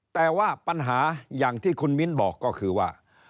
แต่ว่าปัญหาอย่างที่คุณมิ้นบอกก็คือว่า